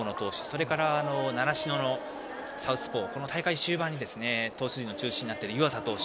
それから習志野のサウスポー大会終盤に投手陣の中心になっている湯浅投手。